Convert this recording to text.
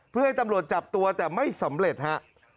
เพื่อให้ตำรวจจับตัวแต่ไม่สำเร็จฮะ